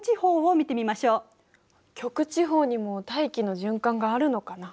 極地方にも大気の循環があるのかな？